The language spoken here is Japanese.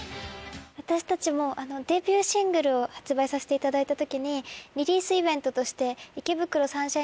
私たちもデビューシングルを発売させていただいた時にリリースイベントとして。